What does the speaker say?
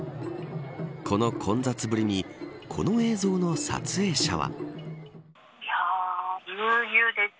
この混雑ぶりにこの映像の撮影者は。